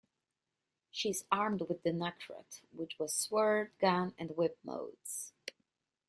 She is armed with the Necrod, which has sword, gun, and whip modes.